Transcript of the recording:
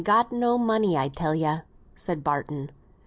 ] "I han got no money, I tell ye," said Barton.